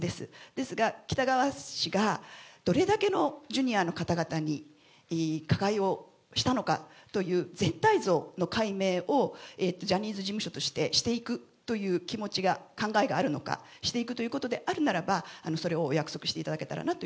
ですが、喜多川氏がどれだけのＪｒ．の方々に加害をしたのかという全体像の解明をジャニーズ事務所としてしていくという気持ちが、考えがあるのか、していくということであるならば、それをお約束していただけたらなと。